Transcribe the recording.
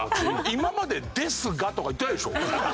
今まで「ですが」とか言ってないでしょ？